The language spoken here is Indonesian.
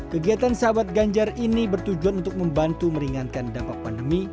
kegiatan sahabat ganjar ini bertujuan untuk membantu meringankan dampak pandemi